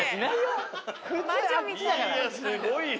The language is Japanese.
すごいよ。